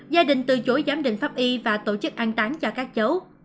gia đình từ chối giám định pháp y và tổ chức an tán cho các cháu